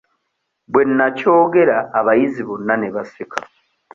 Bwe nnakyogera abayizi bonna ne baseka.